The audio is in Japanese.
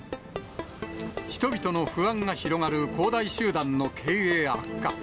人々の不安が広がる恒大集団の経営悪化。